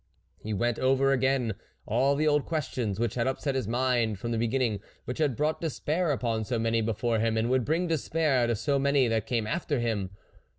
He went over again all the old ques tions which had upset his mind from the beginning, which had brought despair upon so many before him, and would bring despair to so many that came after him.